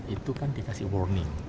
itu kan dikasih warning